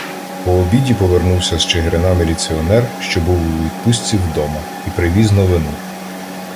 По обіді повернувся з Чигирина міліціонер, що був у відпустці вдома, і привіз новину.